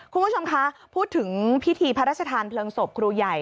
คุณผู้ชมคะพูดถึงพิธีพระราชทานเพลิงศพครูใหญ่